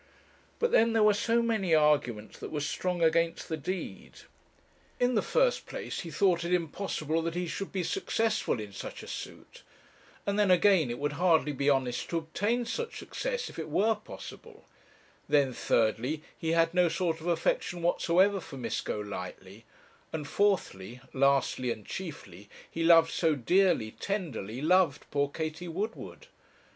But then there were so many arguments that were 'strong against the deed.' In the first place, he thought it impossible that he should be successful in such a suit, and then again it would hardly be honest to obtain such success, if it were possible; then, thirdly, he had no sort of affection whatsoever for Miss Golightly; and fourthly, lastly, and chiefly, he loved so dearly, tenderly, loved poor Katie Woodward.